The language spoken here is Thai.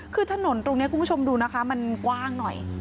คือถนนตรงนี้คุณผู้ชมดูนะคะมันกว้างหน่อย